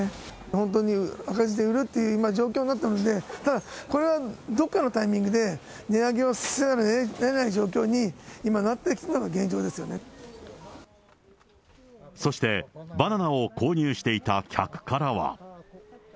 本当に赤字で売るという状況になってるので、ただこれは、どこかのタイミングで値上げをせざるをえない状況に、今、そして、バナナを購入していた客からは。